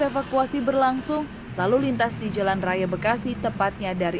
evakuasi berlangsung lalu lintas di jalan raya bekasi tepatnya dari